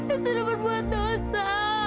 iis sudah berbuat dosa